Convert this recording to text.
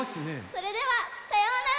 それではさようなら！